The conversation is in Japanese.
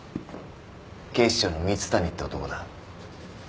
警視庁の蜜谷って男だ。